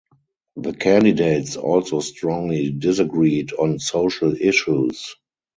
The candidates also strongly disagreed on social issues.